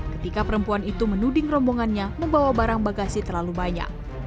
ketika perempuan itu menuding rombongannya membawa barang bagasi terlalu banyak